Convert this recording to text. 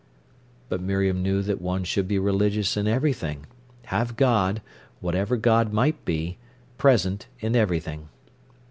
But Miriam knew that one should be religious in everything, have God, whatever God might be, present in everything.